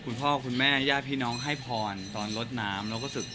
คุณพ่อคุณแม่ญาตร์พี่น้องให้พรตอนรดน้ำ